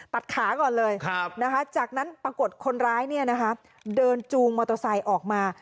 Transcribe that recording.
ตัดขาก่อนเลยจากนั้นปรากฏคนร้ายเดินจูงมอเตอร์ไซค์ออกมา